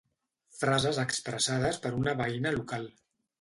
Frases expressades per una veïna local.